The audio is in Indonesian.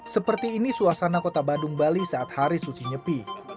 seperti ini suasana kota badung bali saat hari suci nyepi